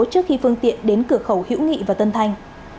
trước khi phương tiện đến cửa khẩu hữu nghị và tân thanh